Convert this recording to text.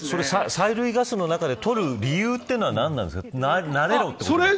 催涙ガスの中で取る理由は何なんですか。